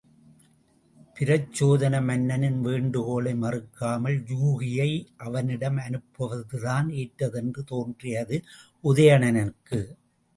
பிரச்சோதன மன்னனின் வேண்டுகோளை மறுக்காமல் யூகியை அவனிடம் அனுப்புவதுதான் ஏற்றதென்று தோன்றியது உதயணனுக்கு.